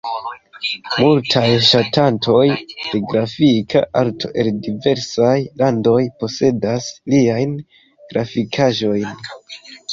Multaj ŝatantoj de grafika arto el diversaj landoj posedas liajn grafikaĵojn.